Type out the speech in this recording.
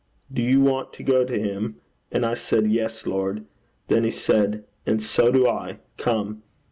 Do you want to go to him?" And I said, "Yes, Lord." Then he said, "And so do I. Come."